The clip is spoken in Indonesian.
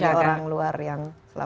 sebagai orang luar yang selamat